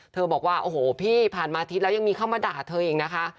บอกว่าโอ้โหพี่ผ่านมาอาทิตย์แล้วยังมีเข้ามาด่าเธออีกนะคะ